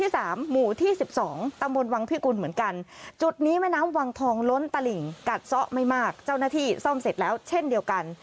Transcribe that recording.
เสร็จแล้วเช่นเดียวกัน